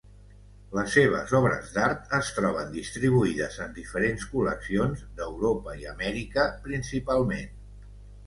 Les seves obres d'art es troben distribuïdes en diferents col·leccions d'Europa i Amèrica, principalment.